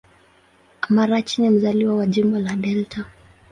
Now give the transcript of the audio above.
Amarachi ni mzaliwa wa Jimbo la Delta.